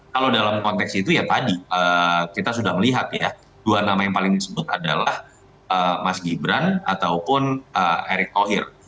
kalau dalam konteks itu ya tadi kita sudah melihat ya dua nama yang paling disebut adalah mas gibran ataupun erick thohir